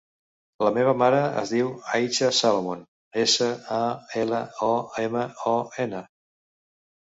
La meva mare es diu Aicha Salomon: essa, a, ela, o, ema, o, ena.